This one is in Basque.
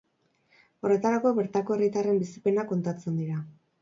Horretarako, bertako herritarren bizipenak kontatzen dira.